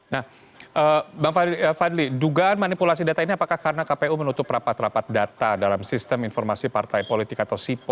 nah bang fadli dugaan manipulasi data ini apakah karena kpu menutup rapat rapat data dalam sejarah ini